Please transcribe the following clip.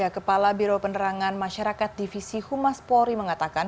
kepala biro penerangan masyarakat divisi humas polri mengatakan